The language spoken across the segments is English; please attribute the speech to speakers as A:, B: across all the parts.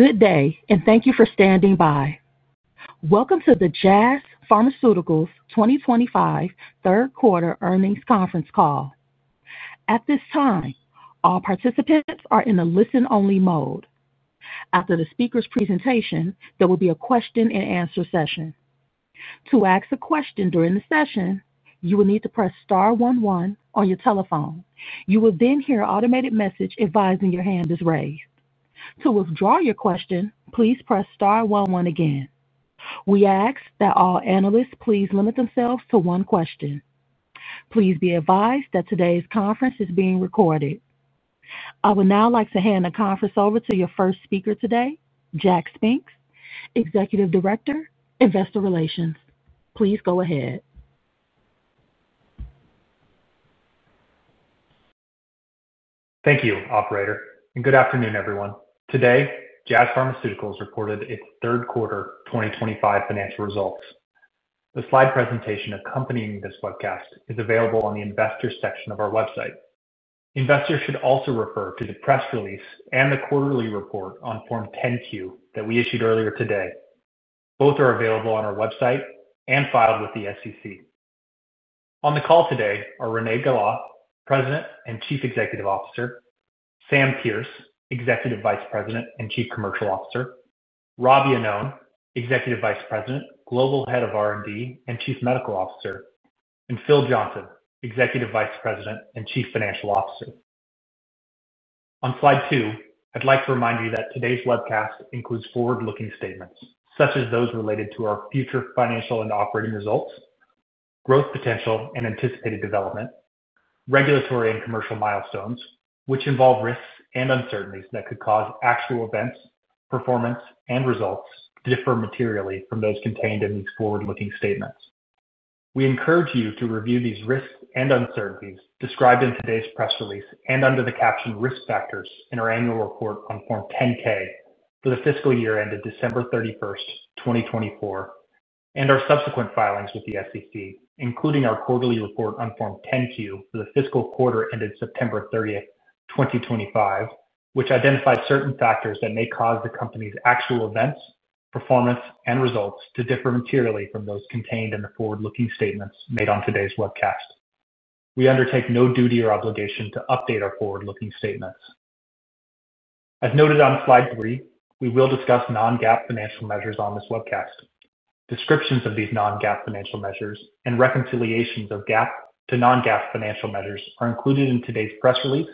A: Good day, and thank you for standing by. Welcome to the Jazz Pharmaceuticals 2025 third quarter earnings conference call. At this time, all participants are in a listen-only mode. After the speaker's presentation, there will be a question-and-answer session. To ask a question during the session, you will need to press Star one one on your telephone. You will then hear an automated message advising your hand is raised. To withdraw your question, please press Star one one again. We ask that all analysts please limit themselves to one question. Please be advised that today's conference is being recorded. I would now like to hand the conference over to your first speaker today, Jack Spinks, Executive Director, Investor Relations. Please go ahead.
B: Thank you, Operator. Good afternoon, everyone. Today, Jazz Pharmaceuticals reported its third quarter 2025 financial results. The slide presentation accompanying this webcast is available on the Investor section of our website. Investors should also refer to the press release and the quarterly report on Form 10Q that we issued earlier today. Both are available on our website and filed with the SEC. On the call today are Renée Gala, President and Chief Executive Officer; Sam Pearce, Executive Vice President and Chief Commercial Officer; Rob Iannone, Executive Vice President, Global Head of R&D and Chief Medical Officer; and Phil Johnson, Executive Vice President and Chief Financial Officer. On slide two, I'd like to remind you that today's webcast includes forward-looking statements such as those related to our future financial and operating results, growth potential and anticipated development, regulatory and commercial milestones, which involve risks and uncertainties that could cause actual events, performance, and results to differ materially from those contained in these forward-looking statements. We encourage you to review these risks and uncertainties described in today's press release and under the captioned risk factors in our annual report on Form 10-K for the fiscal year ended December 31st, 2024, and our subsequent filings with the SEC, including our quarterly report on Form 10-Q for the fiscal quarter ended September 30th, 2025, which identified certain factors that may cause the company's actual events, performance, and results to differ materially from those contained in the forward-looking statements made on today's webcast. We undertake no duty or obligation to update our forward-looking statements. As noted on slide three, we will discuss non-GAAP financial measures on this webcast. Descriptions of these non-GAAP financial measures and reconciliations of GAAP to non-GAAP financial measures are included in today's press release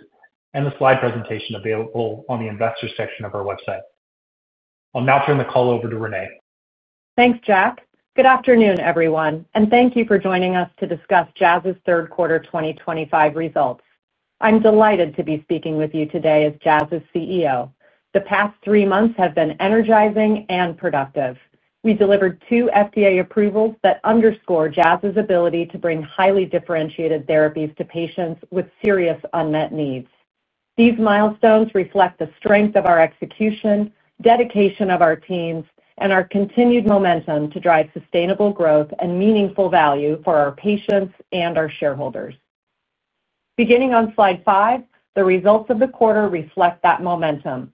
B: and the slide presentation available on the Investor section of our website. I'll now turn the call over to Renée.
C: Thanks, Jack. Good afternoon, everyone, and thank you for joining us to discuss Jazz's third quarter 2025 results. I'm delighted to be speaking with you today as Jazz's CEO. The past three months have been energizing and productive. We delivered two FDA approvals that underscore Jazz's ability to bring highly differentiated therapies to patients with serious unmet needs. These milestones reflect the strength of our execution, dedication of our teams, and our continued momentum to drive sustainable growth and meaningful value for our patients and our shareholders. Beginning on slide five, the results of the quarter reflect that momentum.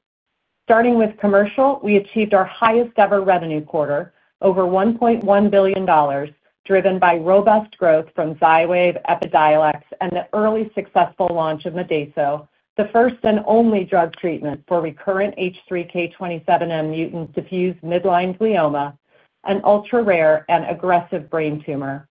C: Starting with commercial, we achieved our highest-ever revenue quarter, over $1.1 billion, driven by robust growth from Xywav, Epidiolex, and the early successful launch of Modeyso, the first and only drug treatment for recurrent H3 K27M-mutant diffuse midline glioma, an ultra-rare and aggressive brain tumor.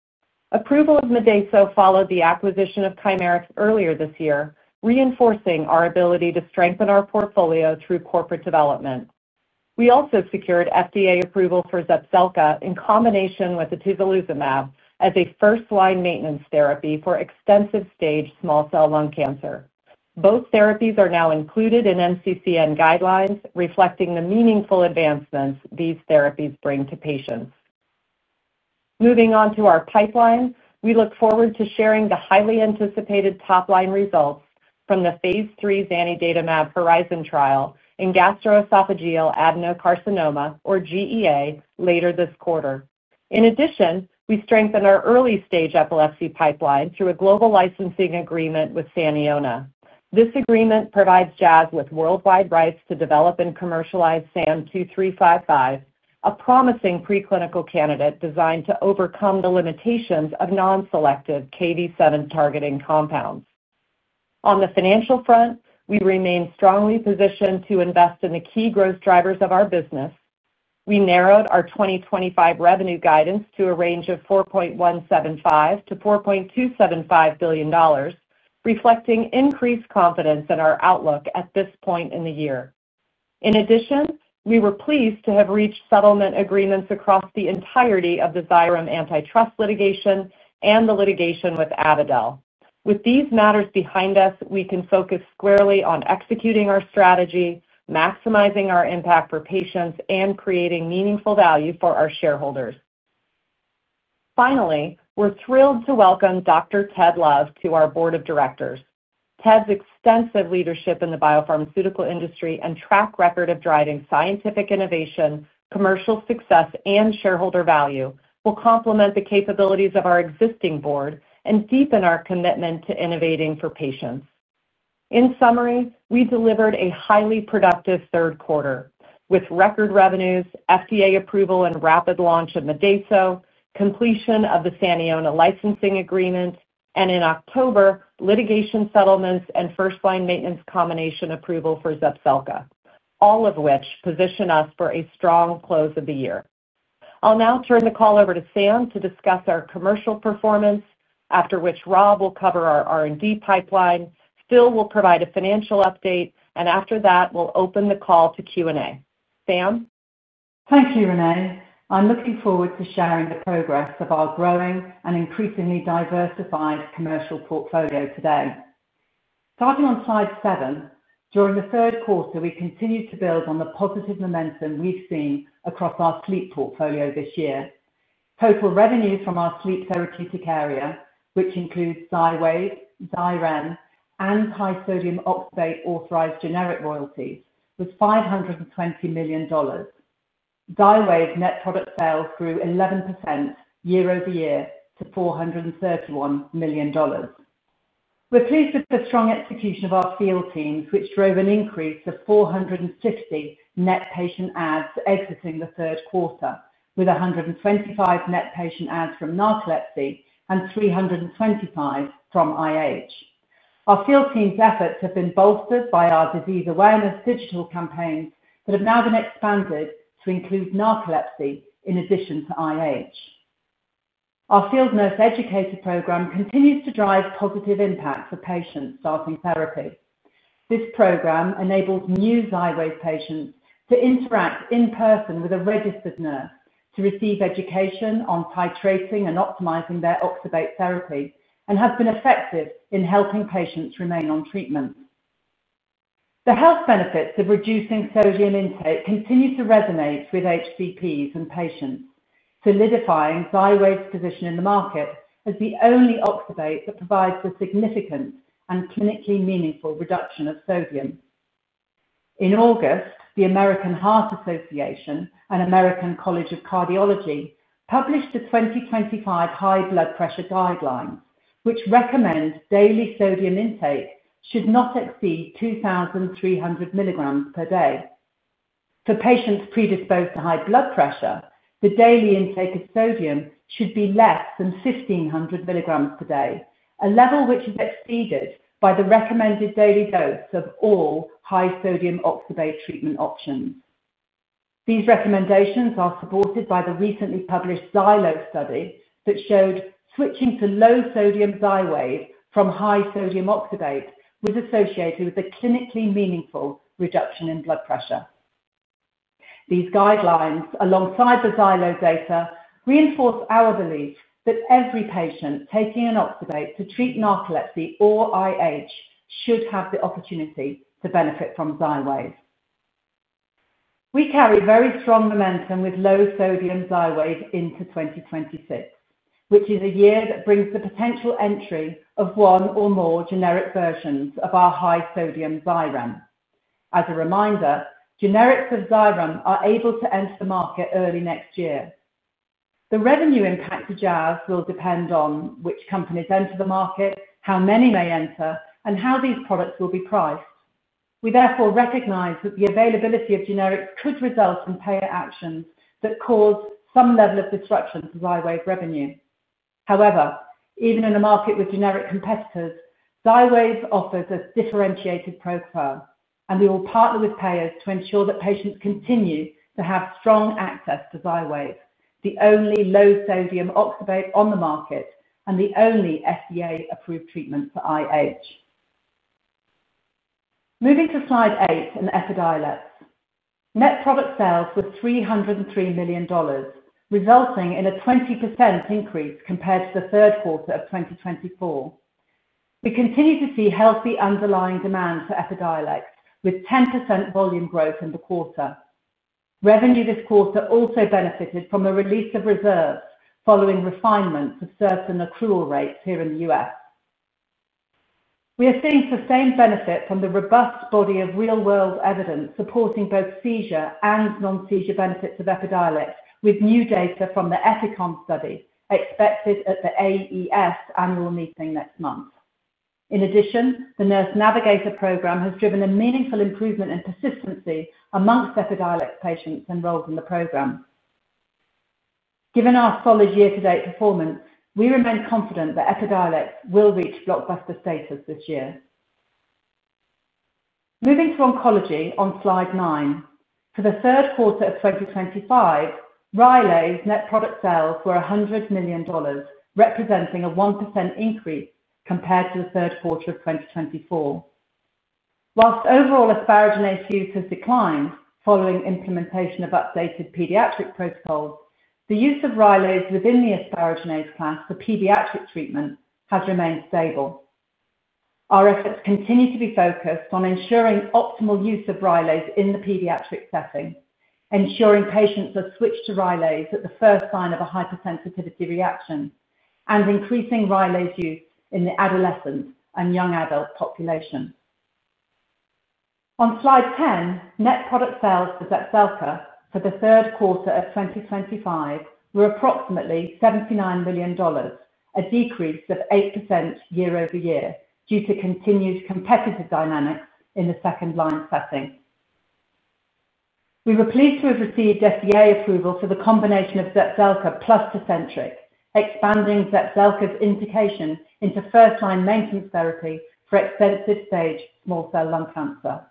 C: Approval of Modeyso followed the acquisition of Chimerix earlier this year, reinforcing our ability to strengthen our portfolio through corporate development. We also secured FDA approval for Zepzelca in combination with atezolizumab as a first-line maintenance therapy for extensive-stage small cell lung cancer. Both therapies are now included in NCCN guidelines, reflecting the meaningful advancements these therapies bring to patients. Moving on to our pipeline, we look forward to sharing the highly anticipated top-line results from the phase III Zanidatamab HERIZON trial in gastroesophageal adenocarcinoma, or GEA, later this quarter. In addition, we strengthened our early-stage epilepsy pipeline through a global licensing agreement with Saniona. This agreement provides Jazz with worldwide rights to develop and commercialize SAM-2355, a promising preclinical candidate designed to overcome the limitations of non-selective Kv7 targeting compounds. On the financial front, we remain strongly positioned to invest in the key growth drivers of our business. We narrowed our 2025 revenue guidance to a range of $4.175-$4.275 billion, reflecting increased confidence in our outlook at this point in the year. In addition, we were pleased to have reached settlement agreements across the entirety of the Xyrem antitrust litigation and the litigation with Avadel. With these matters behind us, we can focus squarely on executing our strategy, maximizing our impact for patients, and creating meaningful value for our shareholders. Finally, we're thrilled to welcome Dr. Ted Love to our Board of Directors. Ted's extensive leadership in the biopharmaceutical industry and track record of driving scientific innovation, commercial success, and shareholder value will complement the capabilities of our existing board and deepen our commitment to innovating for patients. In summary, we delivered a highly productive third quarter with record revenues, FDA approval, and rapid launch of Modeyso, completion of the Saniona licensing agreement, and in October, litigation settlements and first-line maintenance combination approval for Zepzelca, all of which position us for a strong close of the year. I'll now turn the call over to Sam to discuss our commercial performance, after which Rob will cover our R&D pipeline. Phil will provide a financial update, and after that, we'll open the call to Q&A. Sam?
D: Thank you, Renée. I'm looking forward to sharing the progress of our growing and increasingly diversified commercial portfolio today. Starting on slide seven, during the third quarter, we continued to build on the positive momentum we've seen across our sleep portfolio this year. Total revenue from our sleep therapeutic area, which includes Xywav, Xyrem, and high-sodium oxybate authorized generic royalties, was $520 million. Xywav net product sales grew 11% year-over-year to $431 million. We're pleased with the strong execution of our field teams, which drove an increase of 450 net patient adds exiting the third quarter, with 125 net patient adds from narcolepsy and 325 from IH. Our field teams' efforts have been bolstered by our disease awareness digital campaigns that have now been expanded to include narcolepsy in addition to IH. Our field nurse educator program continues to drive positive impact for patients starting therapy. This program enables new Xywav patients to interact in person with a registered nurse to receive education on titrating and optimizing their oxybate therapy and has been effective in helping patients remain on treatment. The health benefits of reducing sodium intake continue to resonate with HCPs and patients, solidifying Xywav's position in the market as the only oxybate that provides a significant and clinically meaningful reduction of sodium. In August, the American Heart Association and American College of Cardiology published the 2025 high blood pressure guidelines, which recommend daily sodium intake should not exceed 2,300 mg per day. For patients predisposed to high blood pressure, the daily intake of sodium should be less than 1,500 mg per day, a level which is exceeded by the recommended daily dose of all high-sodium oxybate treatment options. These recommendations are supported by the recently published XYLO study that showed switching to low-sodium Xywav from high-sodium oxybate was associated with a clinically meaningful reduction in blood pressure. These guidelines, alongside the XYLO data, reinforce our belief that every patient taking an oxybate to treat narcolepsy or IH should have the opportunity to benefit from Xywav. We carry very strong momentum with low-sodium Xywav into 2026, which is a year that brings the potential entry of one or more generic versions of our high-sodium Xyrem. As a reminder, generics of Xyrem are able to enter the market early next year. The revenue impact to Jazz will depend on which companies enter the market, how many may enter, and how these products will be priced. We therefore recognize that the availability of generics could result in payer actions that cause some level of disruption to Xywav revenue. However, even in a market with generic competitors, Xywav offers a differentiated profile, and we will partner with payers to ensure that patients continue to have strong access to Xywav, the only low-sodium oxybate on the market and the only FDA-approved treatment for IH. Moving to slide eight in Epidiolex, net product sales were $303 million, resulting in a 20% increase compared to the third quarter of 2024. We continue to see healthy underlying demand for Epidiolex, with 10% volume growth in the quarter. Revenue this quarter also benefited from the release of reserves following refinements of certain accrual rates here in the U.S. We are seeing sustained benefit from the robust body of real-world evidence supporting both seizure and non-seizure benefits of Epidiolex, with new data from the EpiCom study expected at the AES annual meeting next month. In addition, the Nurse Navigator program has driven a meaningful improvement in persistency amongst Epidiolex patients enrolled in the program. Given our solid year-to-date performance, we remain confident that Epidiolex will reach blockbuster status this year. Moving to oncology on slide nine, for the third quarter of 2025, Rylaze net product sales were $100 million, representing a 1% increase compared to the third quarter of 2024. Whilst overall asparaginase use has declined following implementation of updated pediatric protocols, the use of Rylaze within the asparaginase class for pediatric treatment has remained stable. Our efforts continue to be focused on ensuring optimal use of Rylaze in the pediatric setting, ensuring patients are switched to Rylaze at the first sign of a hypersensitivity reaction, and increasing Rylaze use in the adolescent and young adult population. On slide 10, net product sales for Zepzelca for the third quarter of 2025 were approximately $79 million, a decrease of 8% year-over-year due to continued competitive dynamics in the second-line setting. We were pleased to have received FDA approval for the combination of Zepzelca plus Tecentriq, expanding Zepzelca's indication into first-line maintenance therapy for extensive-stage small cell lung cancer.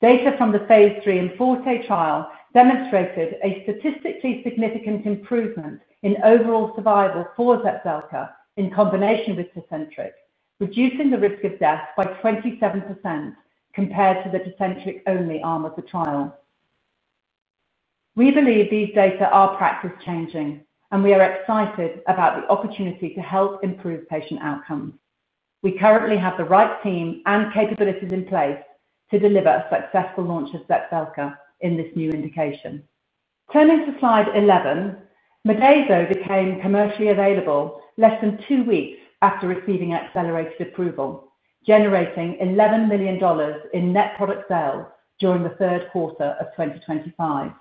D: Data from the phase III, IMforte trial demonstrated a statistically significant improvement in overall survival for Zepzelca in combination with Tecentriq, reducing the risk of death by 27% compared to the Tecentriq-only arm of the trial. We believe these data are practice-changing, and we are excited about the opportunity to help improve patient outcomes. We currently have the right team and capabilities in place to deliver a successful launch of Zepzelca in this new indication. Turning to slide 11, Modeyso became commercially available less than two weeks after receiving accelerated approval, generating $11 million in net product sales during the third quarter of 2025.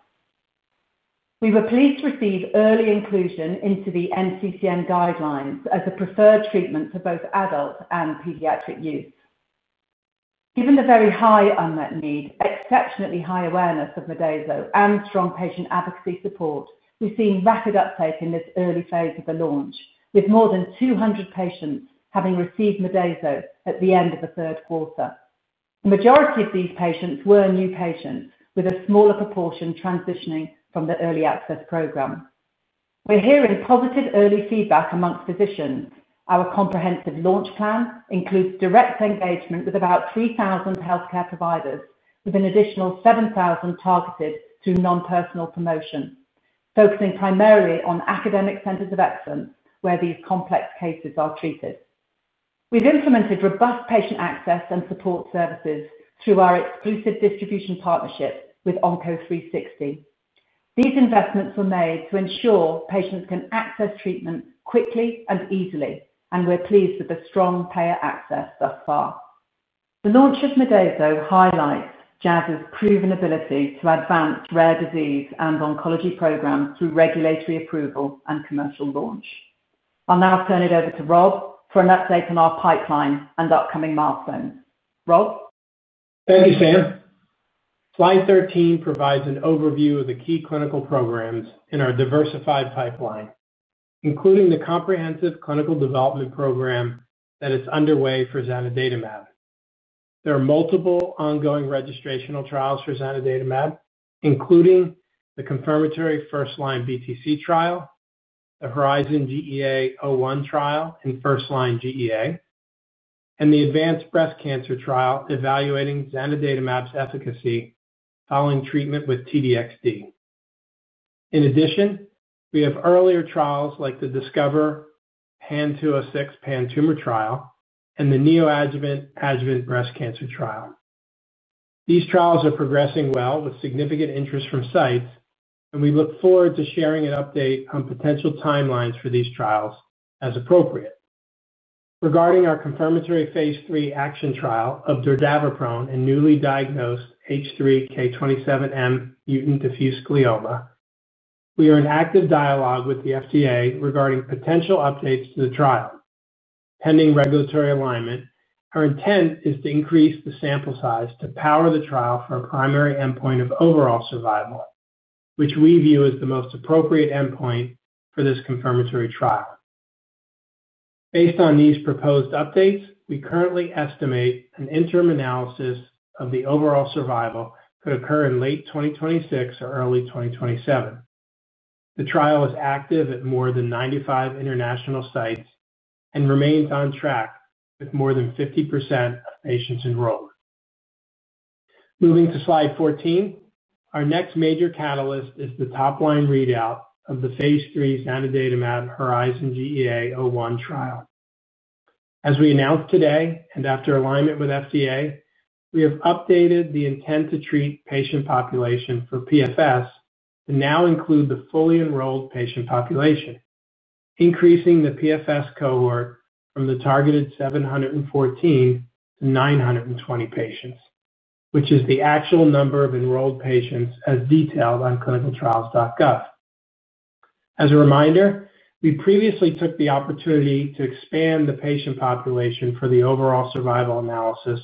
D: We were pleased to receive early inclusion into the NCCN Guidelines as a preferred treatment for both adult and pediatric use. Given the very high unmet need, exceptionally high awareness of Modeyso, and strong patient advocacy support, we've seen rapid uptake in this early phase of the launch, with more than 200 patients having received Modeyso at the end of the third quarter. The majority of these patients were new patients, with a smaller proportion transitioning from the early access program. We're hearing positive early feedback amongst physicians. Our comprehensive launch plan includes direct engagement with about 3,000 healthcare providers, with an additional 7,000 targeted through non-personal promotion, focusing primarily on academic centers of excellence where these complex cases are treated. We've implemented robust patient access and support services through our exclusive distribution partnership with Onco360. These investments were made to ensure patients can access treatment quickly and easily, and we're pleased with the strong payer access thus far. The launch of Modeyso highlights Jazz's proven ability to advance rare disease and oncology programs through regulatory approval and commercial launch. I'll now turn it over to Rob for an update on our pipeline and upcoming milestones. Rob?
E: Thank you, Sam. Slide 13 provides an overview of the key clinical programs in our diversified pipeline, including the comprehensive clinical development program that is underway for Zanidatamab. There are multiple ongoing registrational trials for Zanidatamab, including the confirmatory first-line BTC trial, the HERIZON-GEA-01 trial in first-line GEA, and the advanced breast cancer trial evaluating Zanidatamab's efficacy following treatment with TDXD. In addition, we have earlier trials like the DiscovHER PAN-206 Pan-Tumor trial and the Neoadjuvant Adjuvant Breast Cancer trial. These trials are progressing well with significant interest from sites, and we look forward to sharing an update on potential timelines for these trials as appropriate. Regarding our confirmatory phase III action trial of Dordaviprone in newly diagnosed H3 K27M-mutant diffuse midline glioma, we are in active dialogue with the FDA regarding potential updates to the trial. Pending regulatory alignment, our intent is to increase the sample size to power the trial for a primary endpoint of overall survival, which we view as the most appropriate endpoint for this confirmatory trial. Based on these proposed updates, we currently estimate an interim analysis of the overall survival could occur in late 2026 or early 2027. The trial is active at more than 95 international sites and remains on track with more than 50% of patients enrolled. Moving to slide 14, our next major catalyst is the top-line readout of the phase III Zanidatamab HERIZON-GEA-01 trial. As we announced today and after alignment with FDA, we have updated the intent-to-treat patient population for PFS to now include the fully enrolled patient population, increasing the PFS cohort from the targeted 714 to 920 patients, which is the actual number of enrolled patients as detailed on clinicaltrials.gov. As a reminder, we previously took the opportunity to expand the patient population for the overall survival analysis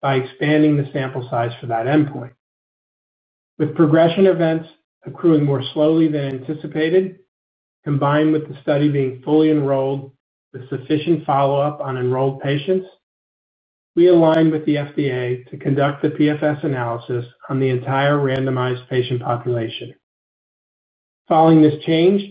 E: by expanding the sample size for that endpoint. With progression events accruing more slowly than anticipated, combined with the study being fully enrolled with sufficient follow-up on enrolled patients, we aligned with the FDA to conduct the PFS analysis on the entire randomized patient population. Following this change,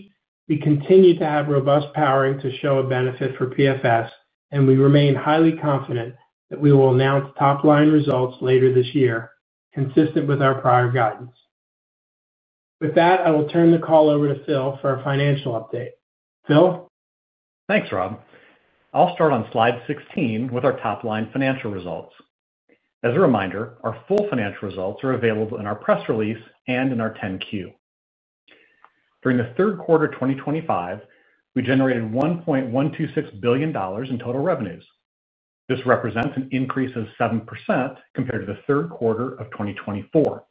E: we continue to have robust powering to show a benefit for PFS, and we remain highly confident that we will announce top-line results later this year, consistent with our prior guidance. With that, I will turn the call over to Phil for a financial update. Phil?
F: Thanks, Rob. I'll start on slide 16 with our top-line financial results. As a reminder, our full financial results are available in our press release and in our 10-Q. During the third quarter of 2025, we generated $1.126 billion in total revenues. This represents an increase of 7% compared to the third quarter of 2024.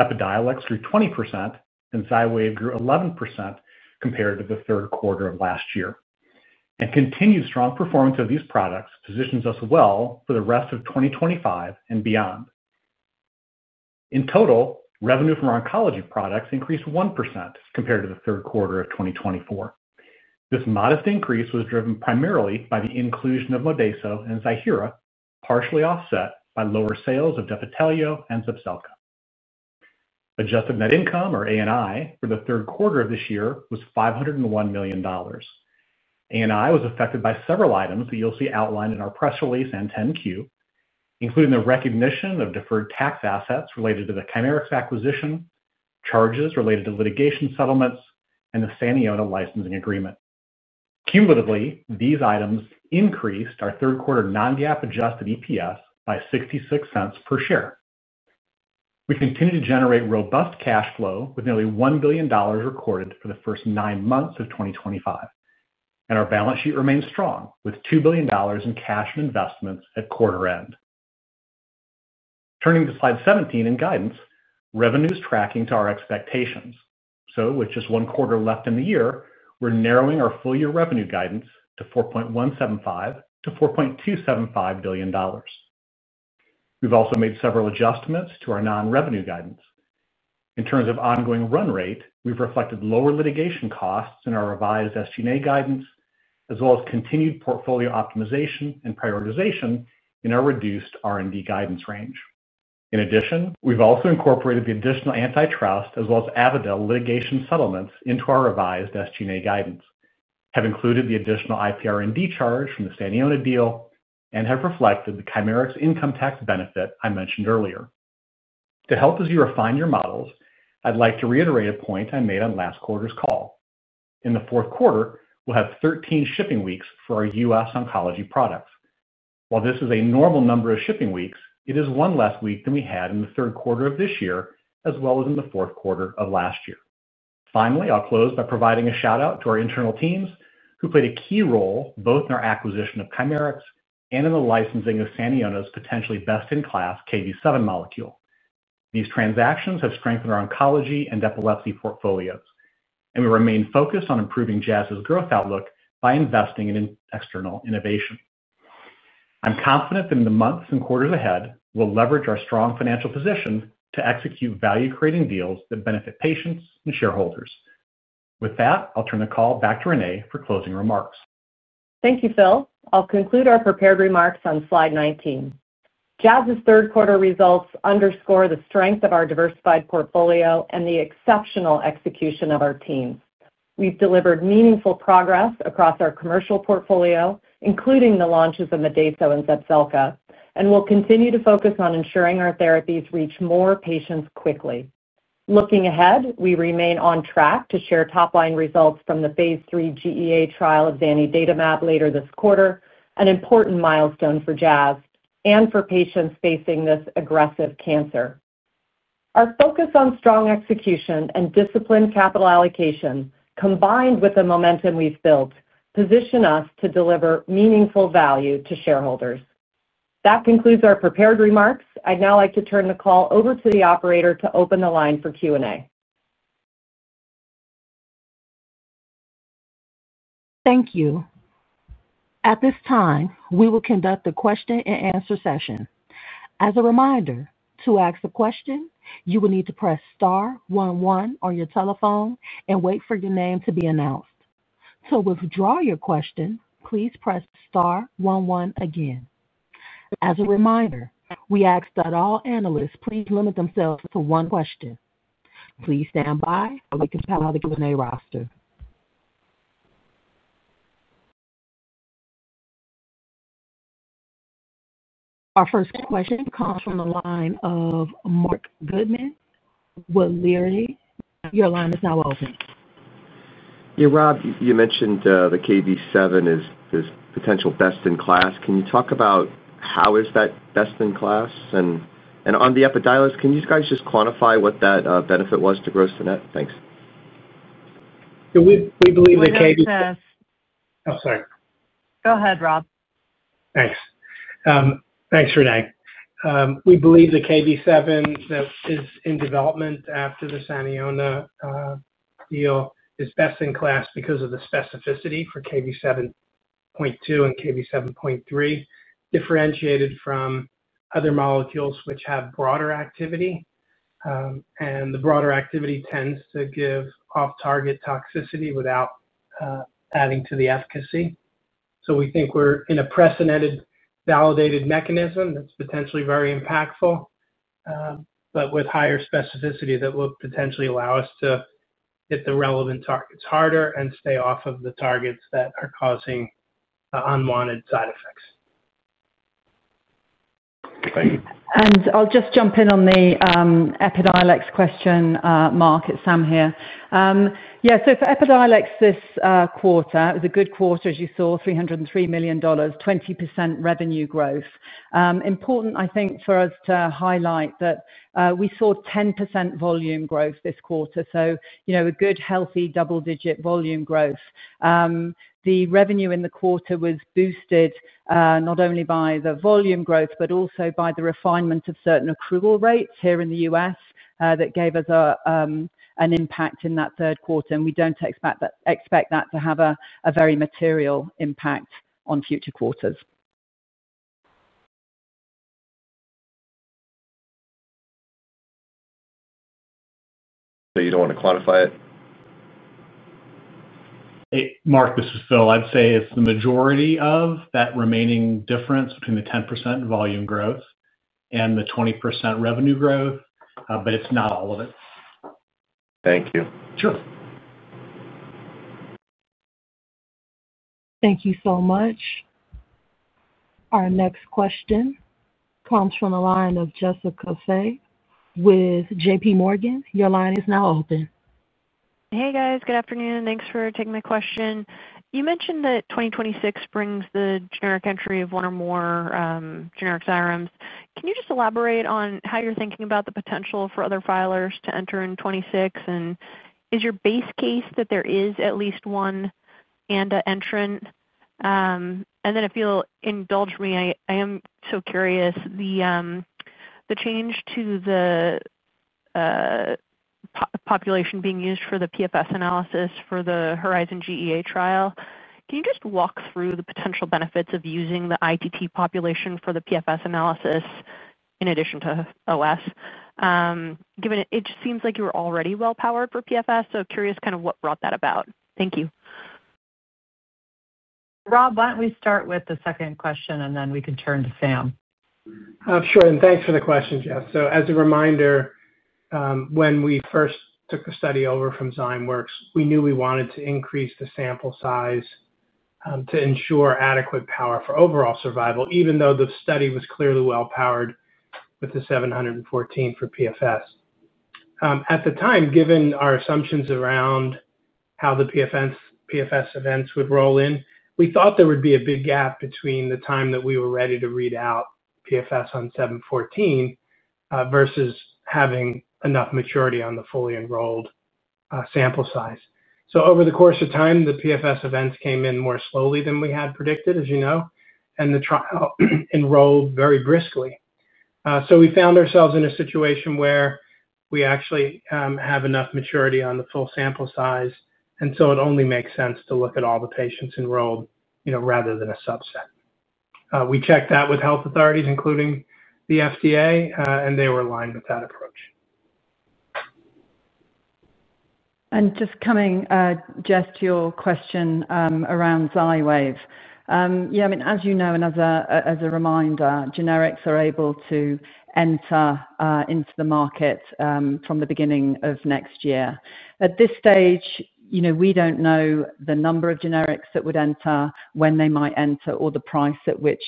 F: Epidiolex grew 20% and Xywav grew 11% compared to the third quarter of last year. Continued strong performance of these products positions us well for the rest of 2025 and beyond. In total, revenue from oncology products increased 1% compared to the third quarter of 2024. This modest increase was driven primarily by the inclusion of Modeyso and Ziihera, partially offset by lower sales of Defitelio and Zepzelca. Adjusted net income, or ANI, for the third quarter of this year was $501 million. ANI was affected by several items that you'll see outlined in our press release and 10-Q, including the recognition of deferred tax assets related to the Chimerix acquisition, charges related to litigation settlements, and the Saniona licensing agreement. Cumulatively, these items increased our third-quarter non-GAAP adjusted EPS by $0.66 per share. We continue to generate robust cash flow with nearly $1 billion recorded for the first nine months of 2025. Our balance sheet remains strong with $2 billion in cash and investments at quarter end. Turning to slide 17 in guidance, revenue is tracking to our expectations. With just one quarter left in the year, we're narrowing our full-year revenue guidance to $4.175 billion-$4.275 billion. We've also made several adjustments to our non-revenue guidance. In terms of ongoing run rate, we've reflected lower litigation costs in our revised SG&A guidance, as well as continued portfolio optimization and prioritization in our reduced R&D guidance range. In addition, we've also incorporated the additional antitrust, as well as Avadel litigation settlements into our revised SG&A guidance, have included the additional IPR&D charge from the Saniona deal, and have reflected the Chimerix income tax benefit I mentioned earlier. To help as you refine your models, I'd like to reiterate a point I made on last quarter's call. In the fourth quarter, we'll have 13 shipping weeks for our U.S. oncology products. While this is a normal number of shipping weeks, it is one less week than we had in the third quarter of this year, as well as in the fourth quarter of last year. Finally, I'll close by providing a shout-out to our internal teams who played a key role both in our acquisition of Chimerix and in the licensing of Saniona's potentially best-in-class Kv7 molecule. These transactions have strengthened our oncology and epilepsy portfolios, and we remain focused on improving Jazz's growth outlook by investing in external innovation. I'm confident that in the months and quarters ahead, we'll leverage our strong financial position to execute value-creating deals that benefit patients and shareholders. With that, I'll turn the call back to Renée for closing remarks.
C: Thank you, Phil. I'll conclude our prepared remarks on slide 19. Jazz's third-quarter results underscore the strength of our diversified portfolio and the exceptional execution of our teams. We've delivered meaningful progress across our commercial portfolio, including the launches of Modeyso and Zepzelca, and we'll continue to focus on ensuring our therapies reach more patients quickly. Looking ahead, we remain on track to share top-line results from the phase III GEA trial of Zanidatamab later this quarter, an important milestone for Jazz and for patients facing this aggressive cancer. Our focus on strong execution and disciplined capital allocation, combined with the momentum we've built, position us to deliver meaningful value to shareholders. That concludes our prepared remarks. I'd now like to turn the call over to the operator to open the line for Q&A.
A: Thank you. At this time, we will conduct a question-and-answer session. As a reminder, to ask a question, you will need to press star one one on your telephone and wait for your name to be announced. To withdraw your question, please press star star one one again. As a reminder, we ask that all analysts please limit themselves to one question. Please stand by while we compile the Q&A roster. Our first question comes from the line of Mark Goodman with. Your line is now open.
G: Yeah, Rob, you mentioned the Kv7 is potential best-in-class. Can you talk about how is that best-in-class? On the Epidiolex, can you guys just quantify what that benefit was to gross to net? Thanks.
E: We believe the Kv7. Oh, sorry.
C: Go ahead, Rob.
E: Thanks. Thanks, Renée. We believe the Kv7 that is in development after the Saniona deal is best-in-class because of the specificity for Kv7.2 and Kv7.3, differentiated from other molecules which have broader activity. The broader activity tends to give off-target toxicity without adding to the efficacy. We think we're in a precedented, validated mechanism that's potentially very impactful, with higher specificity that will potentially allow us to hit the relevant targets harder and stay off of the targets that are causing unwanted side effects.
D: I'll just jump in on the Epidiolex question, Mark. It's Sam here. Yeah, for Epidiolex this quarter, it was a good quarter, as you saw, $303 million, 20% revenue growth. Important, I think, for us to highlight that we saw 10% volume growth this quarter. A good, healthy double-digit volume growth. The revenue in the quarter was boosted not only by the volume growth but also by the refinement of certain accrual rates here in the U.S. that gave us an impact in that third quarter. We do not expect that to have a very material impact on future quarters.
G: You don't want to quantify it?
F: Mark, this is Phil. I'd say it's the majority of that remaining difference between the 10% volume growth and the 20% revenue growth, but it's not all of it.
G: Thank you.
E: Sure.
A: Thank you so much. Our next question comes from the line of Jessica Fye with JPMorgan. Your line is now open.
H: Hey, guys. Good afternoon. Thanks for taking my question. You mentioned that 2026 brings the generic entry of one or more generic Xyrems. Can you just elaborate on how you're thinking about the potential for other filers to enter in 2026? Is your base case that there is at least one ANDA entrant? If you'll indulge me, I am so curious, the change to the population being used for the PFS analysis for the HERIZON-GEA trial. Can you just walk through the potential benefits of using the ITT population for the PFS analysis in addition to OS? It seems like you were already well-powered for PFS, so curious kind of what brought that about. Thank you.
C: Rob, why don't we start with the second question, and then we can turn to Sam.
E: Sure. Thanks for the question, Jess. As a reminder, when we first took the study over from Zymeworks, we knew we wanted to increase the sample size to ensure adequate power for overall survival, even though the study was clearly well-powered with the 714 for PFS. At the time, given our assumptions around how the PFS events would roll in, we thought there would be a big gap between the time that we were ready to read out PFS on 714 versus having enough maturity on the fully enrolled sample size. Over the course of time, the PFS events came in more slowly than we had predicted, as you know, and enrolled very briskly. We found ourselves in a situation where we actually have enough maturity on the full sample size, and so it only makes sense to look at all the patients enrolled rather than a subset. We checked that with health authorities, including the FDA, and they were aligned with that approach.
D: Just coming, Jess, to your question around Xywav. Yeah, I mean, as you know, and as a reminder, generics are able to enter into the market from the beginning of next year. At this stage, we do not know the number of generics that would enter, when they might enter, or the price at which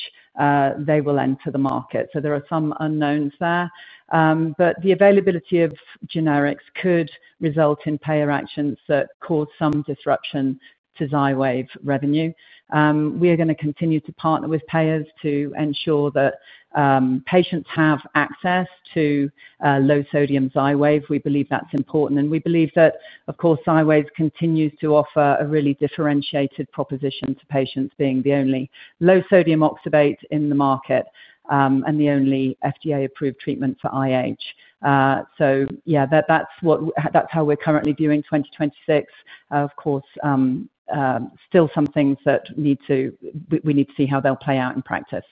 D: they will enter the market. There are some unknowns there. The availability of generics could result in payer actions that cause some disruption to Xywav revenue. We are going to continue to partner with payers to ensure that patients have access to low-sodium Xywav. We believe that is important. We believe that, of course, Xywav continues to offer a really differentiated proposition to patients, being the only low-sodium oxybate in the market and the only FDA-approved treatment for IH. Yeah, that is how we are currently viewing 2026. Of course. Still some things that we need to see how they'll play out in practice.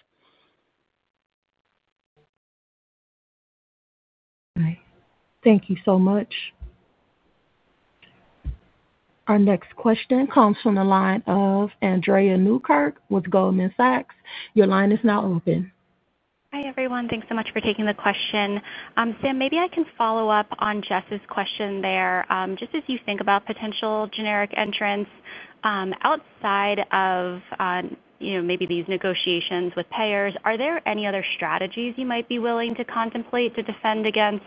A: Thank you so much. Our next question comes from the line of Andrea Newkirk with Goldman Sachs. Your line is now open.
I: Hi, everyone. Thanks so much for taking the question. Sam, maybe I can follow up on Jess's question there. Just as you think about potential generic entrants, outside of maybe these negotiations with payers, are there any other strategies you might be willing to contemplate to defend against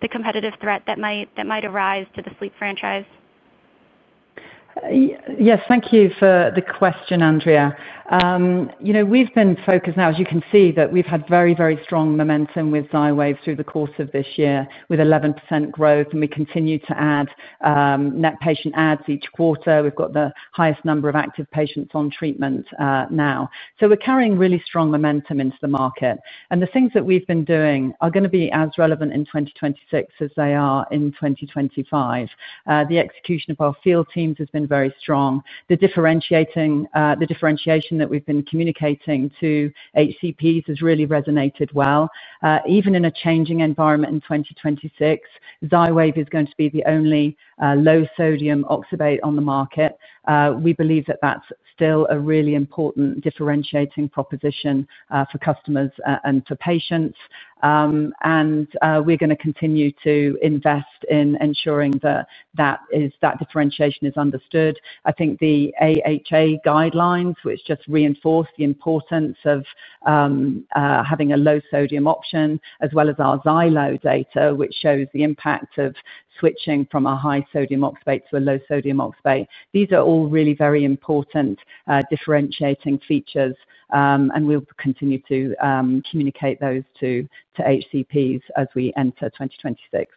I: the competitive threat that might arise to the sleep franchise?
D: Yes, thank you for the question, Andrea. We've been focused now, as you can see, that we've had very, very strong momentum with Xywav through the course of this year with 11% growth. We continue to add net patient adds each quarter. We've got the highest number of active patients on treatment now. We are carrying really strong momentum into the market. The things that we've been doing are going to be as relevant in 2026 as they are in 2025. The execution of our field teams has been very strong. The differentiation that we've been communicating to HCPs has really resonated well. Even in a changing environment in 2026, Xywav is going to be the only low-sodium oxybate on the market. We believe that that's still a really important differentiating proposition for customers and for patients. We are going to continue to invest in ensuring that That differentiation is understood. I think the AHA guidelines, which just reinforced the importance of having a low-sodium option, as well as our Xywav data, which shows the impact of switching from a high-sodium oxybate to a low-sodium oxybate, these are all really very important differentiating features. We will continue to communicate those to HCPs as we enter 2026.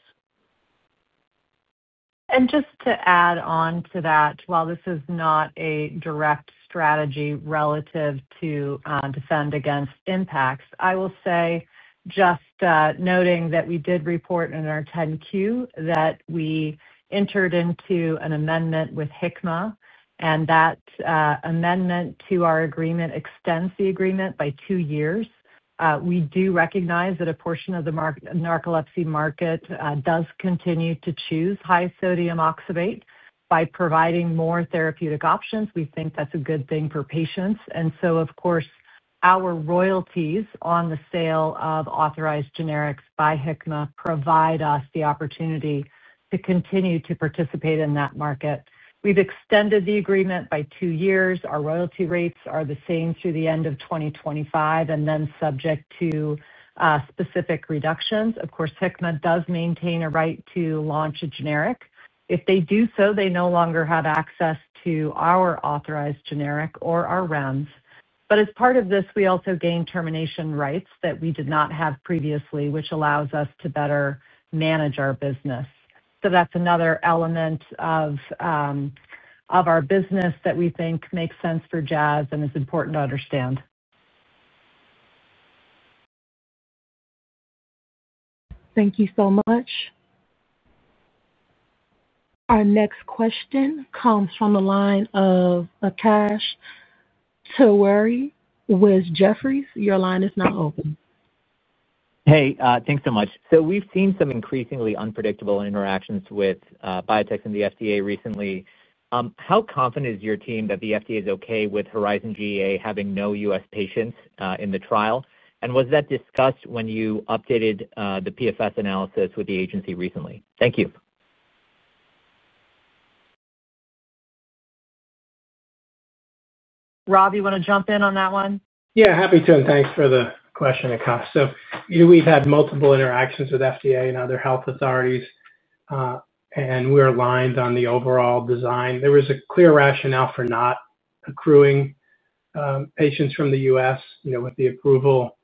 C: Just to add on to that, while this is not a direct strategy relative to defend against impacts, I will say, just noting that we did report in our 10Q that we entered into an amendment with Hikma, and that amendment to our agreement extends the agreement by two years. We do recognize that a portion of the narcolepsy market does continue to choose high-sodium oxybate. By providing more therapeutic options, we think that is a good thing for patients. Of course, our royalties on the sale of authorized generics by Hikma provide us the opportunity to continue to participate in that market. We have extended the agreement by two years. Our royalty rates are the same through the end of 2025 and then subject to specific reductions. Hikma does maintain a right to launch a generic. If they do so, they no longer have access to our authorized generic or our REMs. As part of this, we also gain termination rights that we did not have previously, which allows us to better manage our business. That is another element of our business that we think makes sense for Jazz and is important to understand.
A: Thank you so much. Our next question comes from the line of Akash Tewari with Jefferies. Your line is now open.
J: Hey, thanks so much. We've seen some increasingly unpredictable interactions with biotech and the FDA recently. How confident is your team that the FDA is okay with HERIZON GEA having no U.S. patients in the trial? Was that discussed when you updated the PFS analysis with the agency recently? Thank you.
C: Rob, you want to jump in on that one?
E: Yeah, happy to. Thanks for the question, Akash. We've had multiple interactions with the FDA and other health authorities. We're aligned on the overall design. There was a clear rationale for not accruing patients from the U.S. With the approval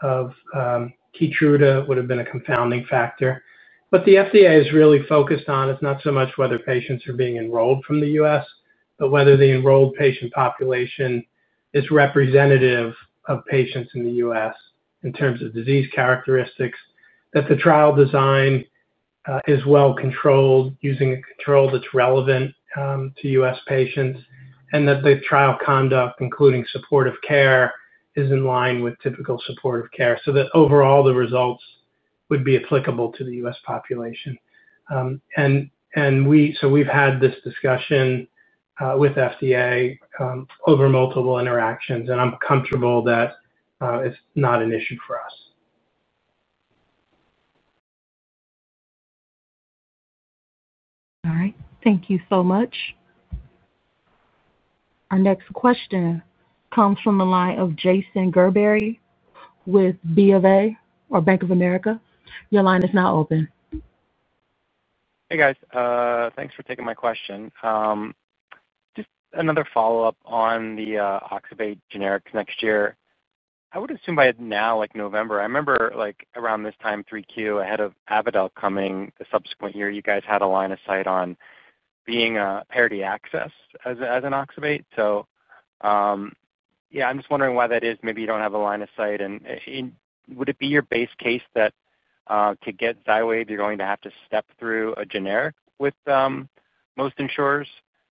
E: of Keytruda, that would have been a confounding factor. What the FDA is really focused on is not so much whether patients are being enrolled from the U.S., but whether the enrolled patient population is representative of patients in the U.S. in terms of disease characteristics, that the trial design is well-controlled using a control that's relevant to U.S. patients, and that the trial conduct, including supportive care, is in line with typical supportive care. That way, the results would be applicable to the U.S. population. We've had this discussion with the FDA over multiple interactions, and I'm comfortable that it's not an issue for us.
A: All right. Thank you so much. Our next question comes from the line of Jason Gerberry with BofA or Bank of America. Your line is now open.
K: Hey, guys. Thanks for taking my question. Just another follow-up on the oxybate generics next year. I would assume by now, like November, I remember around this time, 3Q, ahead of Avadel coming the subsequent year, you guys had a line of sight on being a parity access as an oxybate. So, yeah, I'm just wondering why that is. Maybe you don't have a line of sight. And would it be your base case that to get Xywav, you're going to have to step through a generic with most insurers?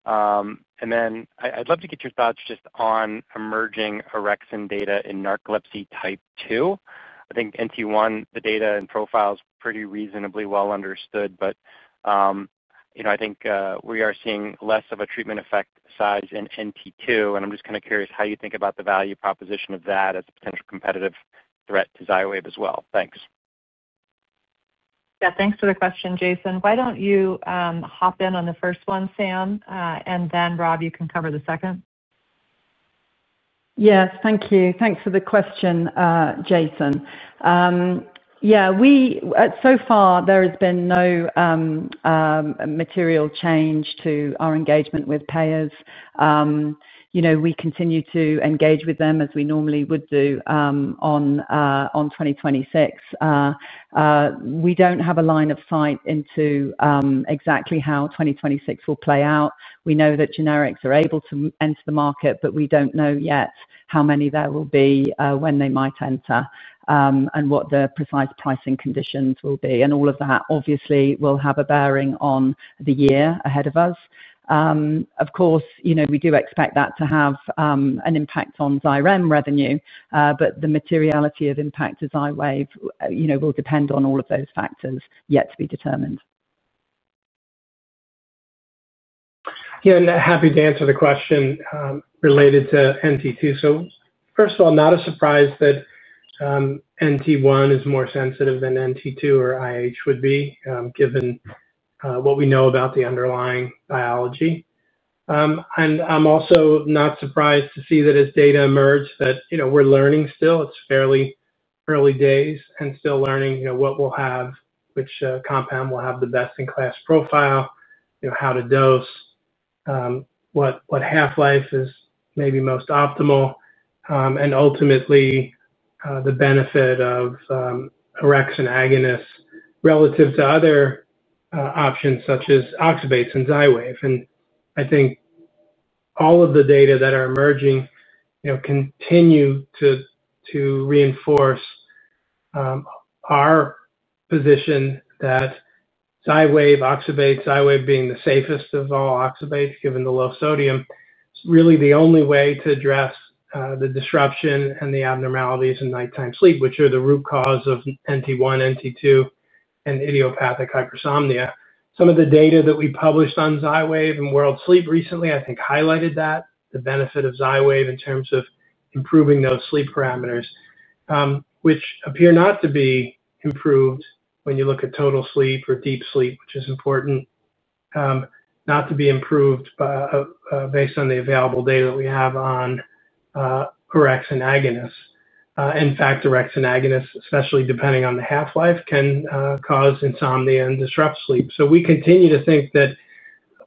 K: I'd love to get your thoughts just on emerging orexin data in narcolepsy type 2. I think NT1, the data and profile is pretty reasonably well understood. I think we are seeing less of a treatment effect size in NT2. I'm just kind of curious how you think about the value proposition of that as a potential competitive threat to Xywav as well. Thanks.
C: Yeah, thanks for the question, Jason. Why don't you hop in on the first one, Sam? Then, Rob, you can cover the second.
D: Yes, thank you. Thanks for the question, Jason. Yeah. So far, there has been no material change to our engagement with payers. We continue to engage with them as we normally would do. On 2026, we do not have a line of sight into exactly how 2026 will play out. We know that generics are able to enter the market, but we do not know yet how many there will be, when they might enter, and what the precise pricing conditions will be. All of that, obviously, will have a bearing on the year ahead of us. Of course, we do expect that to have an impact on Xyrem revenue, but the materiality of impact to Xywav will depend on all of those factors yet to be determined.
E: Yeah, and happy to answer the question related to NT2. First of all, not a surprise that NT1 is more sensitive than NT2 or IH would be, given what we know about the underlying biology. I'm also not surprised to see that as data emerged that we're learning still. It's fairly early days and still learning what we'll have, which compound will have the best-in-class profile, how to dose, what half-life is maybe most optimal, and ultimately the benefit of orexin agonists relative to other options such as oxybates and Xywav. I think all of the data that are emerging continue to reinforce our position that Xywav, oxybate, Xywav being the safest of all oxybates given the low sodium, is really the only way to address the disruption and the abnormalities in nighttime sleep, which are the root cause of NT1, NT2, and idiopathic hypersomnia. Some of the data that we published on Xywav and World Sleep recently, I think, highlighted that the benefit of Xywav in terms of improving those sleep parameters, which appear not to be improved when you look at total sleep or deep sleep, which is important, not to be improved. Based on the available data that we have on orexin agonists. In fact, orexin agonists, especially depending on the half-life, can cause insomnia and disrupt sleep. We continue to think that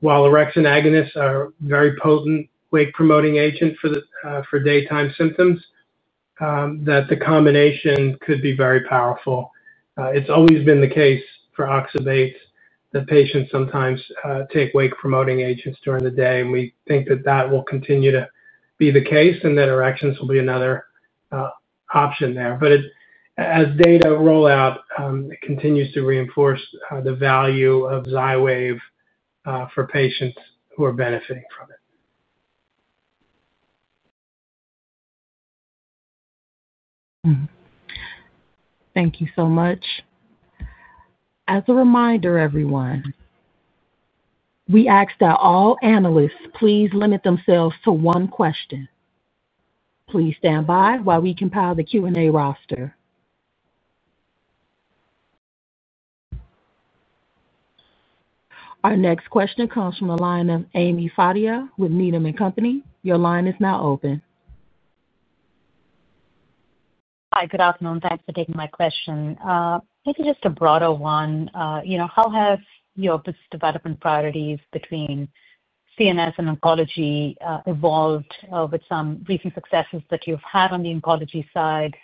E: while orexin agonists are a very potent wake-promoting agent for daytime symptoms, the combination could be very powerful. It's always been the case for oxybates that patients sometimes take wake-promoting agents during the day, and we think that that will continue to be the case and that orexins will be another option there. As data rollout, it continues to reinforce the value of Xywav for patients who are benefiting from it.
A: Thank you so much. As a reminder, everyone. We ask that all analysts please limit themselves to one question. Please stand by while we compile the Q&A roster. Our next question comes from the line of Ami Fadia with Needham & Company. Your line is now open.
L: Hi, good afternoon. Thanks for taking my question. Maybe just a broader one. How have your business development priorities between CNS and oncology evolved with some recent successes that you've had on the oncology side,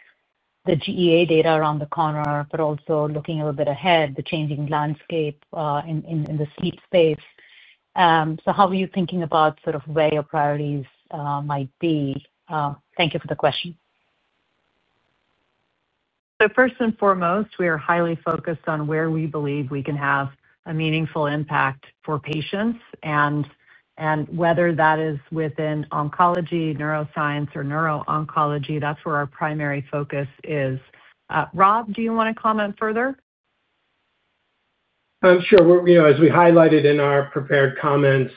L: the GEA data around the corner, but also looking a little bit ahead, the changing landscape in the sleep space? How are you thinking about sort of where your priorities might be? Thank you for the question.
C: First and foremost, we are highly focused on where we believe we can have a meaningful impact for patients. Whether that is within oncology, neuroscience, or neurooncology, that is where our primary focus is. Rob, do you want to comment further?
E: Sure. As we highlighted in our prepared comments,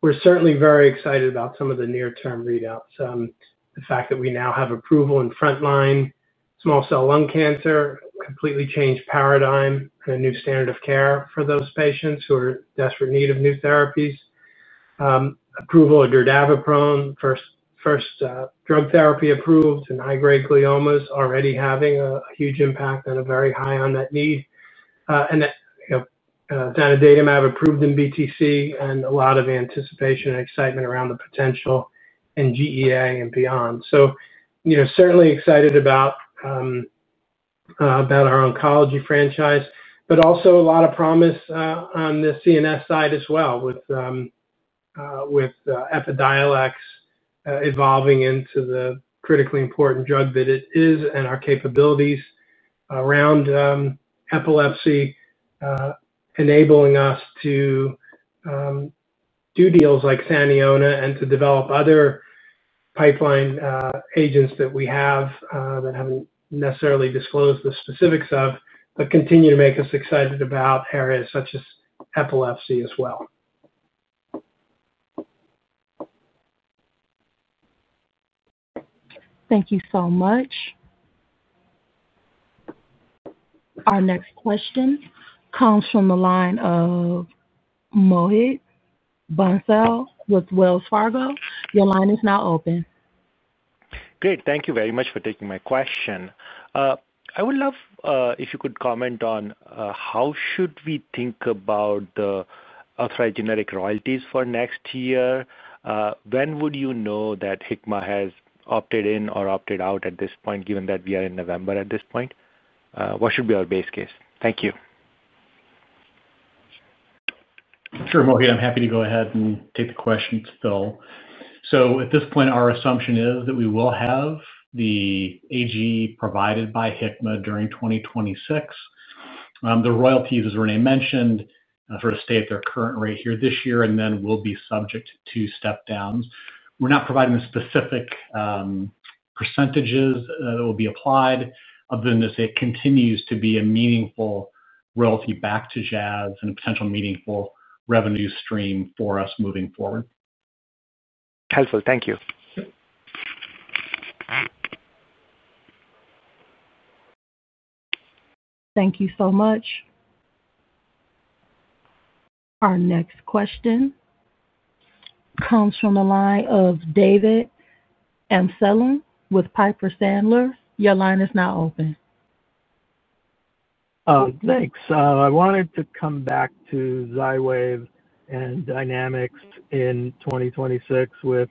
E: we're certainly very excited about some of the near-term readouts. The fact that we now have approval in frontline small cell lung cancer completely changed paradigm, and a new standard of care for those patients who are in desperate need of new therapies. Approval of Dordaviprone, first drug therapy approved in high-grade gliomas, already having a huge impact and a very high unmet need. Zanidatamab approved in BTC and a lot of anticipation and excitement around the potential in GEA and beyond. Certainly excited about our oncology franchise, but also a lot of promise on the CNS side as well with Epidiolex evolving into the critically important drug that it is and our capabilities around epilepsy enabling us to do deals like Saniona and to develop other Pipeline agents that we have that have not necessarily disclosed the specifics of, but continue to make us excited about areas such as epilepsy as well.
A: Thank you so much. Our next question comes from the line of Mohit Bansal with Wells Fargo. Your line is now open.
M: Great. Thank you very much for taking my question. I would love if you could comment on how should we think about the arthritis generic royalties for next year. When would you know that Hikma has opted in or opted out at this point, given that we are in November at this point? What should be our base case? Thank you.
E: Sure, Mohit. I'm happy to go ahead and take the question still. At this point, our assumption is that we will have the AG provided by Hikma during 2026. The royalties, as Renée mentioned, sort of stay at their current rate here this year and then will be subject to step-downs. We're not providing the specific percentages that will be applied other than to say it continues to be a meaningful royalty back to Jazz and a potential meaningful revenue stream for us moving forward.
M: Helpful. Thank you.
A: Thank you so much. Our next question comes from the line of David Amsellem with Piper Sandler. Your line is now open.
N: Thanks. I wanted to come back to Xywav and dynamics in 2026 with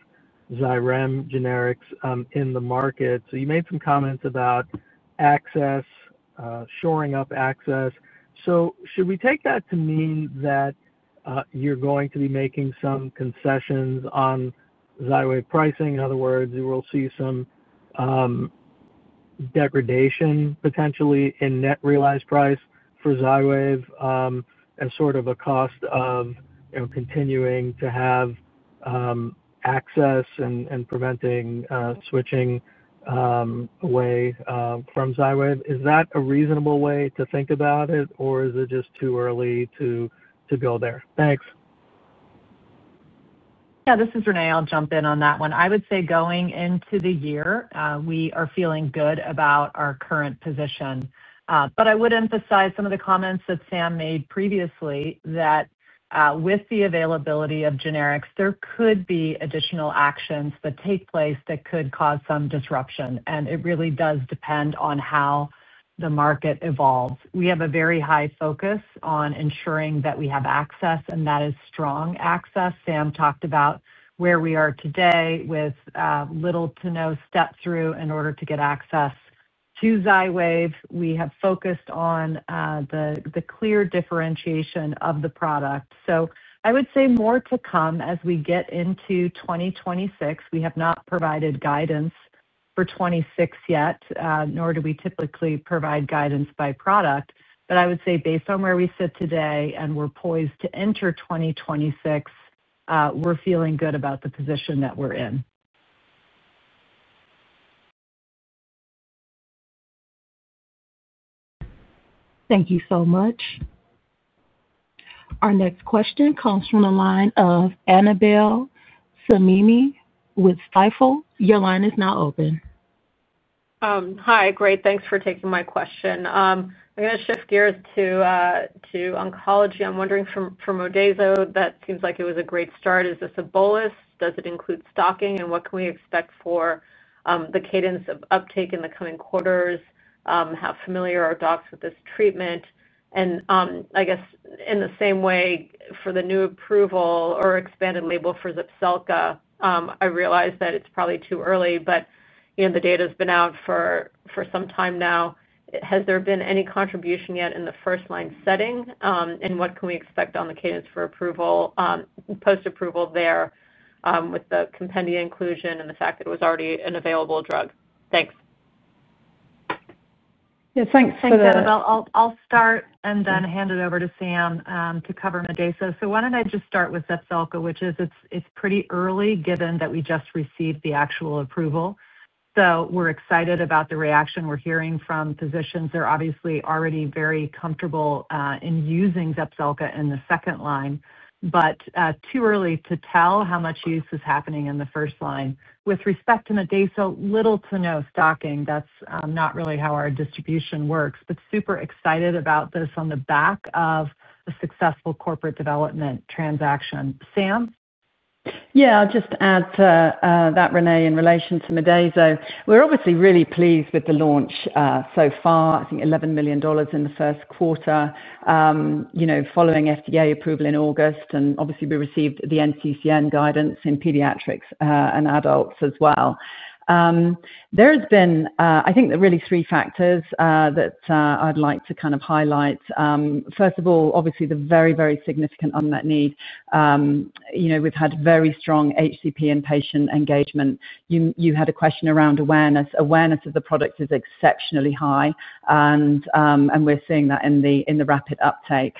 N: Xyrem generics in the market. You made some comments about access, shoring up access. Should we take that to mean that you are going to be making some concessions on Xywav pricing? In other words, we will see some degradation potentially in net realized price for Xywav as sort of a cost of continuing to have access and preventing switching away from Xywav? Is that a reasonable way to think about it, or is it just too early to go there? Thanks.
C: Yeah, this is Renée. I'll jump in on that one. I would say going into the year, we are feeling good about our current position. I would emphasize some of the comments that Sam made previously. With the availability of generics, there could be additional actions that take place that could cause some disruption. It really does depend on how the market evolves. We have a very high focus on ensuring that we have access, and that is strong access. Sam talked about where we are today with little to no step-through in order to get access to Xywav. We have focused on the clear differentiation of the product. I would say more to come as we get into 2026. We have not provided guidance for 2026 yet, nor do we typically provide guidance by product. I would say based on where we sit today and we're poised to enter 2026, we're feeling good about the position that we're in.
A: Thank you so much. Our next question comes from the line of Annabel Samimy with Stifel. Your line is now open.
O: Hi. Great. Thanks for taking my question. I'm going to shift gears to oncology. I'm wondering from Modeyso, that seems like it was a great start. Is this a bolus? Does it include stocking? What can we expect for the cadence of uptake in the coming quarters? How familiar are docs with this treatment? I guess in the same way, for the new approval or expanded label for Zepzelca, I realize that it's probably too early, but the data has been out for some time now. Has there been any contribution yet in the first-line setting? What can we expect on the cadence for post-approval there with the compendia inclusion and the fact that it was already an available drug? Thanks.
C: Yeah, thanks for that. Thanks, Annabel. I'll start and then hand it over to Sam to cover Modeyso. Why don't I just start with Zepzelca, which is it's pretty early given that we just received the actual approval. We're excited about the reaction we're hearing from physicians. They're obviously already very comfortable in using Zepzelca in the second line, but too early to tell how much use is happening in the first line. With respect to Modeyso, little to no stocking. That's not really how our distribution works, but super excited about this on the back of a successful corporate development transaction. Sam?
D: Yeah, I'll just add to that, Renée, in relation to Modeyso. We're obviously really pleased with the launch so far, I think $11 million in the first quarter. Following FDA approval in August, and obviously, we received the NCCN guidance in pediatrics and adults as well. There have been, I think, really three factors that I'd like to kind of highlight. First of all, obviously, the very, very significant unmet need. We've had very strong HCP and patient engagement. You had a question around awareness. Awareness of the product is exceptionally high, and we're seeing that in the rapid uptake.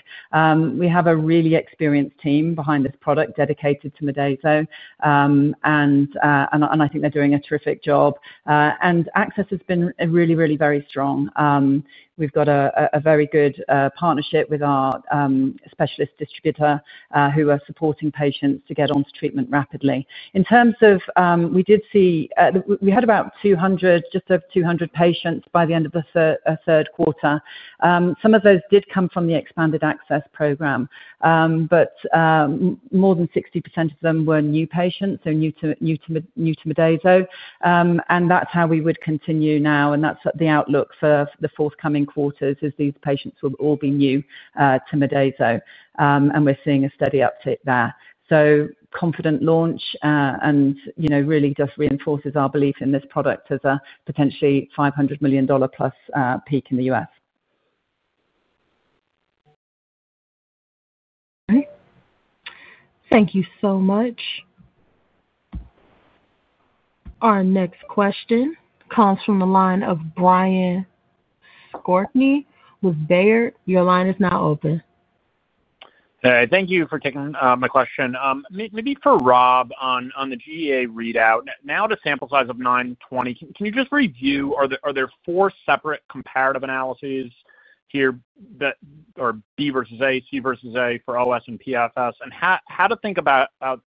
D: We have a really experienced team behind this product dedicated to Modeyso. I think they're doing a terrific job. Access has been really, really very strong. We've got a very good partnership with our specialist distributor who are supporting patients to get onto treatment rapidly. In terms of we did see we had about just over 200 patients by the end of the third quarter. Some of those did come from the expanded ACCESS Program. More than 60% of them were new patients, so new to Modeyso. That is how we would continue now. That is the outlook for the forthcoming quarters, is these patients will all be new to Modeyso. We are seeing a steady uptake there. Confident launch and really just reinforces our belief in this product as a potentially $500 million-plus peak in the U.S.
A: Okay. Thank you so much. Our next question comes from the line of Brian Skorney with Baird. Your line is now open.
P: Thank you for taking my question. Maybe for Rob on the GEA readout, now at a sample size of 920, can you just review, are there four separate comparative analyses here? Or B versus A, C versus A for OS and PFS? And how to think about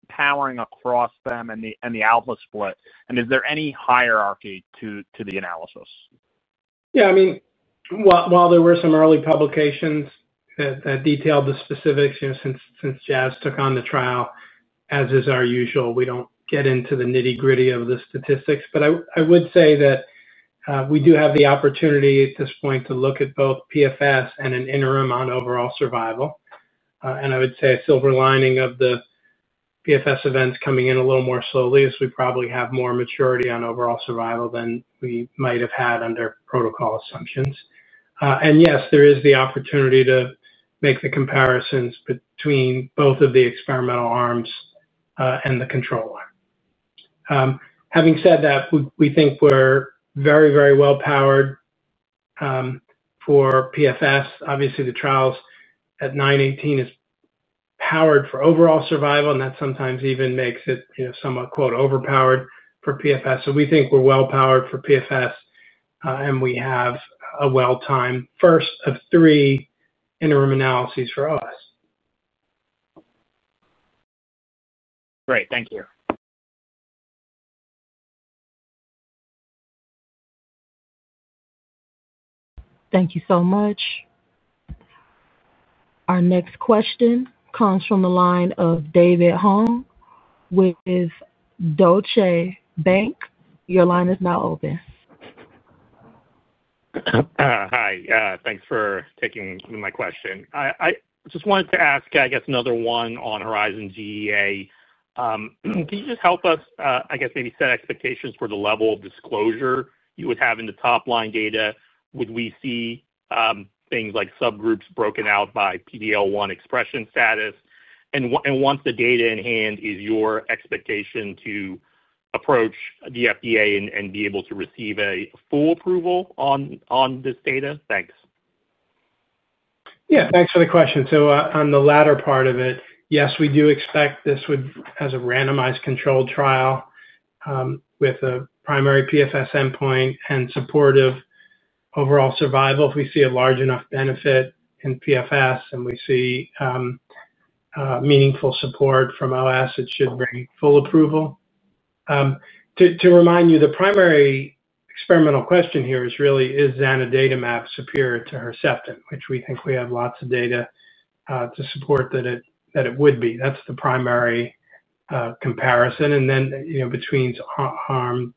P: powering across them and the alpha split? And is there any hierarchy to the analysis?
E: Yeah. I mean, while there were some early publications that detailed the specifics since Jazz took on the trial, as is our usual, we don't get into the nitty-gritty of the statistics. I would say that we do have the opportunity at this point to look at both PFS and an interim on overall survival. I would say a silver lining of the PFS events coming in a little more slowly is we probably have more maturity on overall survival than we might have had under protocol assumptions. Yes, there is the opportunity to make the comparisons between both of the experimental arms and the control arm. Having said that, we think we're very, very well-powered for PFS. Obviously, the trials at 918 is powered for overall survival, and that sometimes even makes it somewhat "overpowered" for PFS. We think we're well-powered for PFS, and we have a well-timed first of three interim analyses for us.
P: Great. Thank you.
A: Thank you so much. Our next question comes from the line of David Huang with Deutsche Bank. Your line is now open.
Q: Hi. Thanks for taking my question. I just wanted to ask, I guess, another one on HERIZON-GEA. Can you just help us, I guess, maybe set expectations for the level of disclosure you would have in the top-line data? Would we see things like subgroups broken out by PD-L1 expression status? Once the data in hand, is your expectation to approach the FDA and be able to receive a full approval on this data? Thanks.
E: Yeah. Thanks for the question. On the latter part of it, yes, we do expect this would as a randomized controlled trial, with a primary PFS endpoint and supportive overall survival. If we see a large enough benefit in PFS and we see meaningful support from OS, it should bring full approval. To remind you, the primary experimental question here is really, is Zanidatamab superior to Herceptin, which we think we have lots of data to support that it would be. That's the primary comparison. Then between arms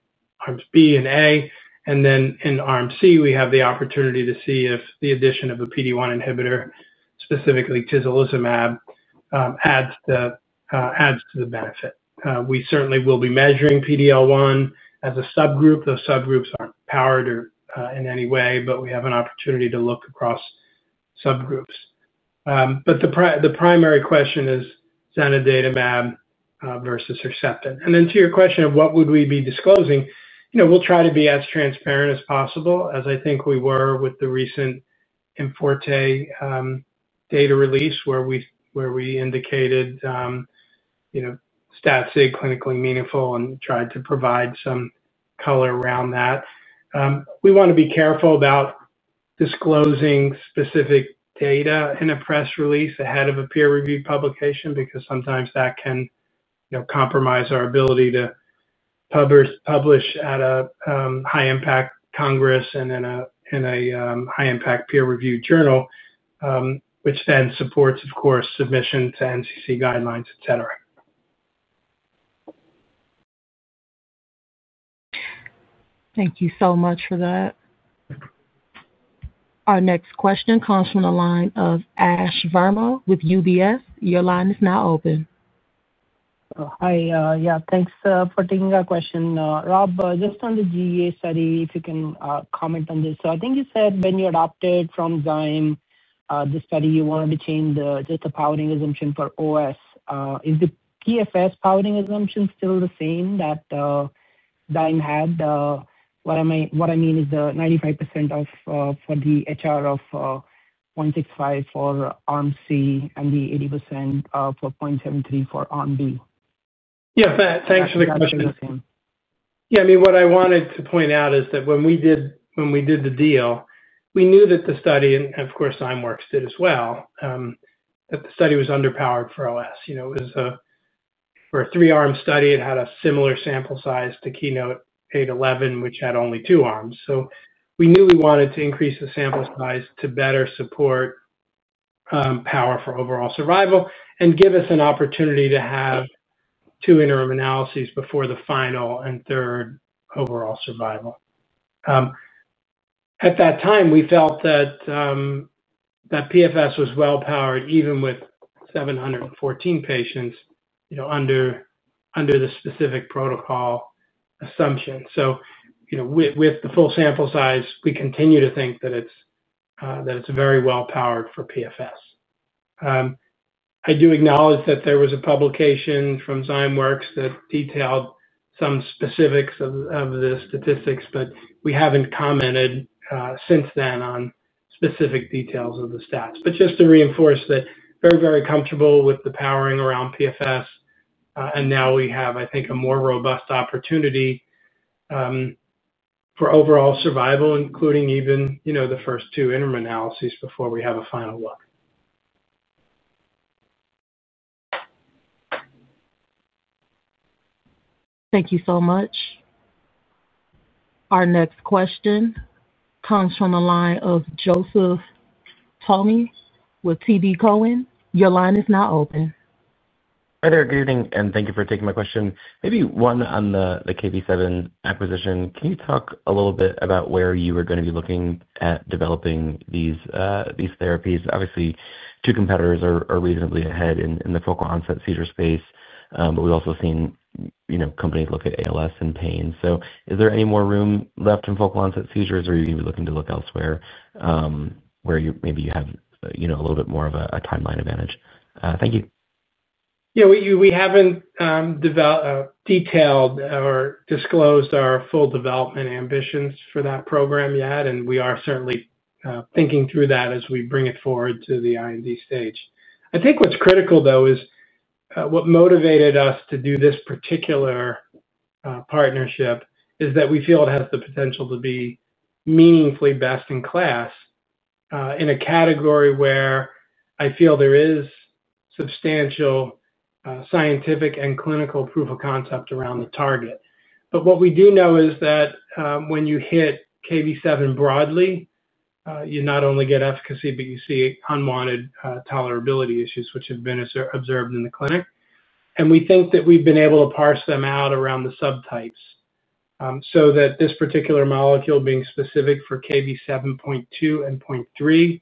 E: B and A, and then in arm C, we have the opportunity to see if the addition of a PD-1 inhibitor, specifically Atezolizumab, adds to the benefit. We certainly will be measuring PD-L1 as a subgroup. Those subgroups aren't powered in any way, but we have an opportunity to look across subgroups. The primary question is Zanidatamab versus Herceptin. To your question of what would we be disclosing, we'll try to be as transparent as possible, as I think we were with the recent IMforte data release where we indicated StatSig clinically meaningful and tried to provide some color around that. We want to be careful about disclosing specific data in a press release ahead of a peer-reviewed publication because sometimes that can compromise our ability to publish at a high-impact congress and in a high-impact peer-reviewed journal, which then supports, of course, submission to NCCN guidelines, etc.
A: Thank you so much for that. Our next question comes from the line of Ashwani Verma with UBS. Your line is now open.
R: Hi. Yeah. Thanks for taking our question. Rob, just on the GEA study, if you can comment on this. I think you said when you adopted from Zyme, the study, you wanted to change just the powering assumption for OS. Is the PFS powering assumption still the same that Zyme had? What I mean is the 95% for the HR of 0.65 for arm C and the 80% for 0.73 for arm B.
E: Yeah. Thanks for the question. Yeah. I mean, what I wanted to point out is that when we did the deal, we knew that the study—and of course, Zymeworks did as well—that the study was underpowered for OS. It was for a three-arm study. It had a similar sample size to KEYNOTE-811 which had only two arms. We knew we wanted to increase the sample size to better support power for overall survival and give us an opportunity to have two interim analyses before the final and third overall survival. At that time, we felt that PFS was well-powered even with 714 patients under the specific protocol assumption. With the full sample size, we continue to think that it's very well-powered for PFS. I do acknowledge that there was a publication from Zymeworks that detailed some specifics of the statistics, but we haven't commented since then on specific details of the stat. Just to reinforce that, very, very comfortable with the powering around PFS. Now we have, I think, a more robust opportunity for overall survival, including even the first two interim analyses before we have a final look.
A: Thank you so much. Our next question comes from the line of Joseph Thome with TD Cowen. Your line is now open.
S: Hi there. Good evening, and thank you for taking my question. Maybe one on the Kv7 acquisition. Can you talk a little bit about where you are going to be looking at developing these therapies? Obviously, two competitors are reasonably ahead in the focal onset seizure space, but we've also seen companies look at ALS and pain. Is there any more room left in focal onset seizures, or are you looking to look elsewhere where maybe you have a little bit more of a timeline advantage? Thank you.
E: Yeah. We have not detailed or disclosed our full development ambitions for that program yet, and we are certainly thinking through that as we bring it forward to the IND stage. I think what is critical, though, is what motivated us to do this particular partnership is that we feel it has the potential to be meaningfully best in class. In a category where I feel there is substantial scientific and clinical proof of concept around the target. What we do know is that when you hit Kv7 broadly, you not only get efficacy, but you see unwanted tolerability issues, which have been observed in the clinic. We think that we have been able to parse them out around the subtypes, so that this particular molecule, being specific for Kv7.2 and Kv7.3,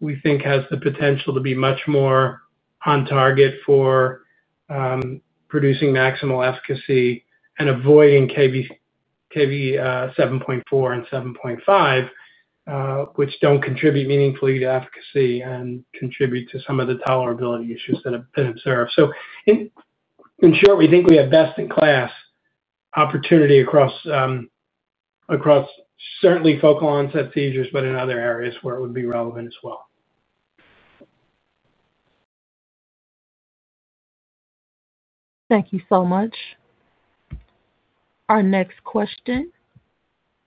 E: we think has the potential to be much more on target for producing maximal efficacy and avoiding Kv7.4. and Kv7.5, which do not contribute meaningfully to efficacy and contribute to some of the tolerability issues that have been observed. In short, we think we have best-in-class opportunity across certainly focal onset seizures, but in other areas where it would be relevant as well.
A: Thank you so much. Our next question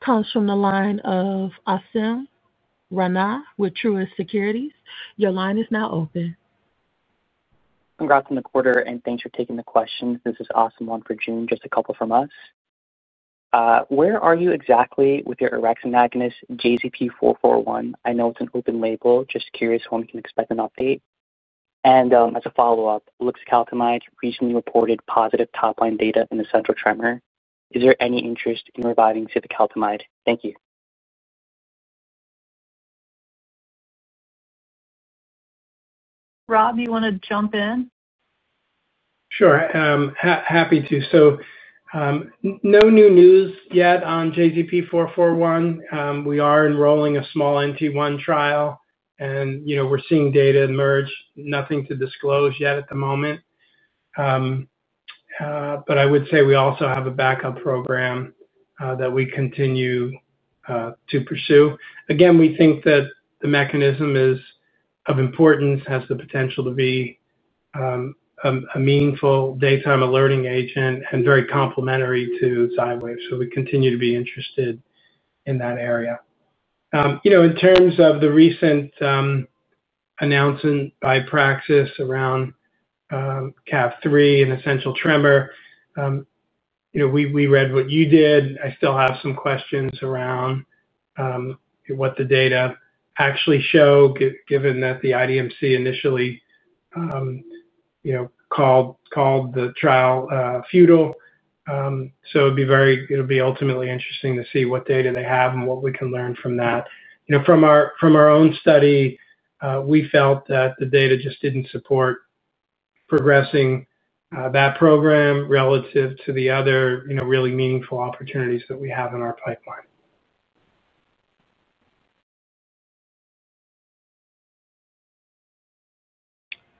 A: comes from the line of Asim Rana with Truist Securities. Your line is now open.
T: Congrats on the quarter, and thanks for taking the questions. This is an awesome one for June, just a couple from us. Where are you exactly with your orexin agonist JZP441? I know it's an open label, just curious when we can expect an update. As a follow-up, Luxacaltamide recently reported positive top-line data in essential tremor. Is there any interest in reviving Cytocaltamide? Thank you.
C: Rob, do you want to jump in?
E: Sure. Happy to. No new news yet on JZP441. We are enrolling a small NT1 trial, and we're seeing data emerge. Nothing to disclose yet at the moment. I would say we also have a backup program that we continue to pursue. Again, we think that the mechanism is of importance, has the potential to be a meaningful daytime alerting agent, and very complementary to Xywav. We continue to be interested in that area. In terms of the recent announcement by Praxis around CAF3 and essential tremor, we read what you did. I still have some questions around what the data actually show, given that the IDMC initially called the trial futile. It will be ultimately interesting to see what data they have and what we can learn from that. From our own study, we felt that the data just did not support. Progressing that program relative to the other really meaningful opportunities that we have in our pipeline.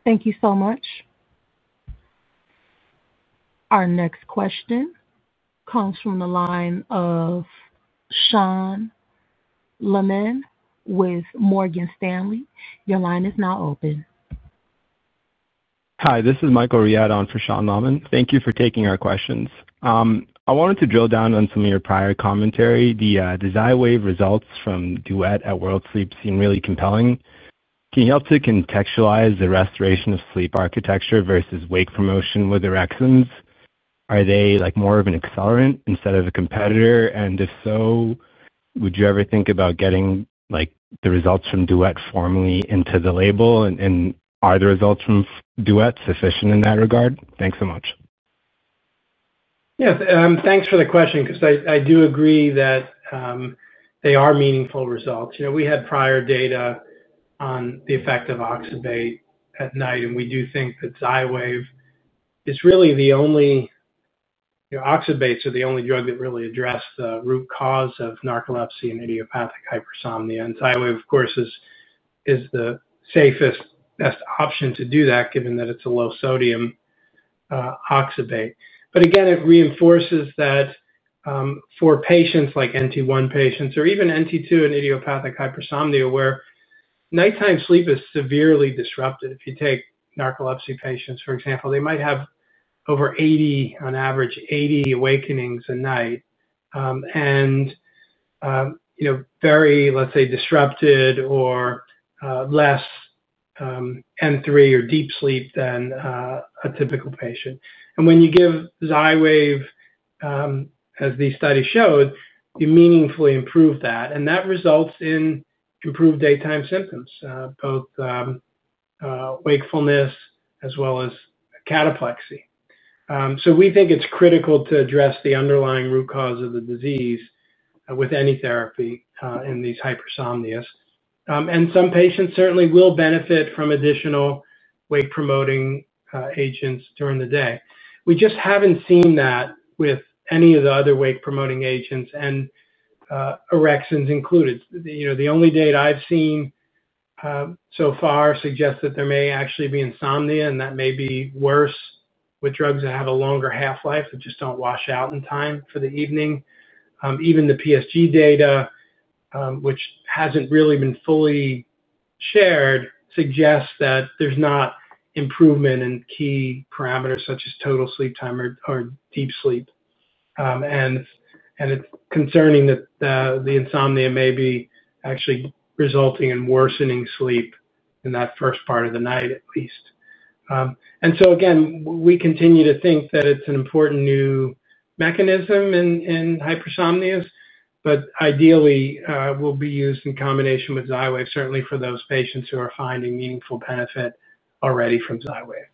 A: Thank you so much. Our next question comes from the line of Sean Laaman with Morgan Stanley. Your line is now open.
U: Hi. This is Michael Riordan for Sean Laaman. Thank you for taking our questions. I wanted to drill down on some of your prior commentary. The Xywav results from Duet at World Sleep seem really compelling. Can you help to contextualize the restoration of sleep architecture versus wake promotion with orexin agonists? Are they more of an accelerant instead of a competitor? If so, would you ever think about getting the results from Duet formally into the label? Are the results from Duet sufficient in that regard? Thanks so much.
E: Yes. Thanks for the question because I do agree that they are meaningful results. We had prior data on the effect of oxybate at night, and we do think that Xywav is really the only. Oxybates are the only drug that really address the root cause of narcolepsy and idiopathic hypersomnia. And Xywav, of course, is the safest option to do that, given that it's a low-sodium oxybate. Again, it reinforces that for patients like NT1 patients or even NT2 and idiopathic hypersomnia, where nighttime sleep is severely disrupted. If you take narcolepsy patients, for example, they might have over 80, on average, 80 awakenings a night. Very, let's say, disrupted or less N3 or deep sleep than a typical patient. When you give Xywav, as these studies showed, you meaningfully improve that. That results in improved daytime symptoms, both wakefulness as well as cataplexy. We think it's critical to address the underlying root cause of the disease with any therapy in these hypersomnias. Some patients certainly will benefit from additional wake-promoting agents during the day. We just haven't seen that with any of the other wake-promoting agents, orexins included. The only data I've seen so far suggests that there may actually be insomnia, and that may be worse with drugs that have a longer half-life that just don't wash out in time for the evening. Even the PSG data, which hasn't really been fully shared, suggests that there's not improvement in key parameters such as total sleep time or deep sleep. It's concerning that the insomnia may be actually resulting in worsening sleep in that first part of the night, at least. We continue to think that it's an important new mechanism in hypersomnias, but ideally, it will be used in combination with Xywav, certainly for those patients who are finding meaningful benefit already from Xywav.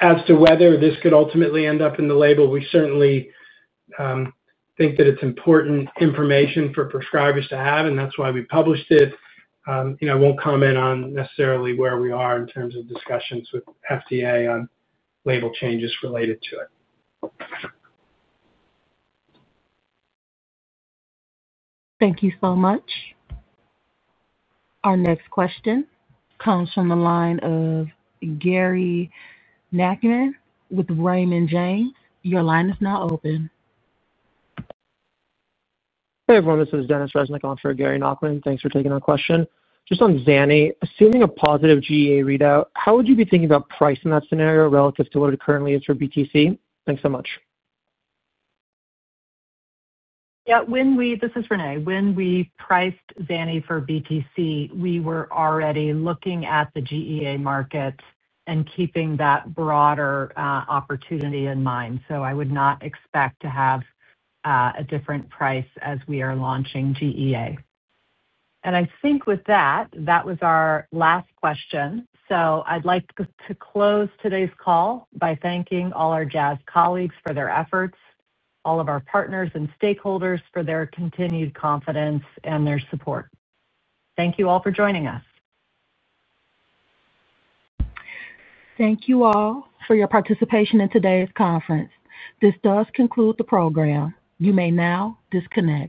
E: As to whether this could ultimately end up in the label, we certainly think that it's important information for prescribers to have, and that's why we published it. I won't comment on necessarily where we are in terms of discussions with FDA on label changes related to it.
A: Thank you so much. Our next question comes from the line of Gary Nachman with Raymond James. Your line is now open.
V: Hey, everyone. This is Denis Reznik on for Gary Nachman. Thanks for taking our question. Just on Zani, assuming a positive GEA readout, how would you be thinking about pricing that scenario relative to what it currently is for BTC? Thanks so much.
C: Yeah. This is Renée. When we priced Zani for BTC, we were already looking at the GEA market and keeping that broader opportunity in mind. I would not expect to have a different price as we are launching GEA. I think with that, that was our last question. I would like to close today's call by thanking all our Jazz colleagues for their efforts, all of our partners and stakeholders for their continued confidence and their support. Thank you all for joining us.
A: Thank you all for your participation in today's conference. This does conclude the program. You may now disconnect.